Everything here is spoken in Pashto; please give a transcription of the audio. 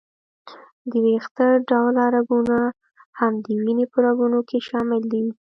د وېښته ډوله رګونه هم د وینې په رګونو کې شامل دي.